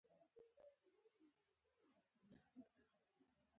چې هسک یې لاس کې د بریا توغ شي